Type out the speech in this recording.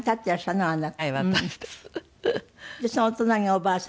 そのお隣がおばあ様？